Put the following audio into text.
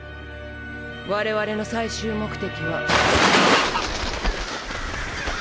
我々の最終目的は。